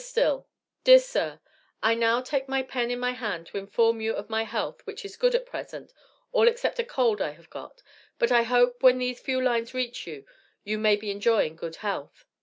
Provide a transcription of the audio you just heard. STILL: Dear Sir I now take my pen in my hand to inform you of my health which is good at present all except a cold I have got but I hope when these few lines reach you you may be enjoying good health.